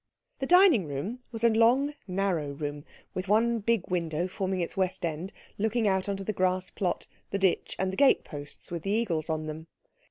The dining room was a long narrow room, with one big window forming its west end looking out on to the grass plot, the ditch, and the gate posts with the eagles on them.